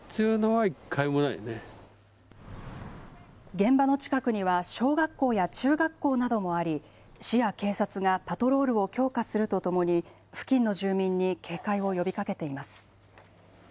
現場の近くには、小学校や中学校などもあり、市や警察がパトロールを強化するとともに、付近の住民に警戒を呼びかけています。